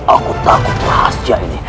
aku takut rahasia ini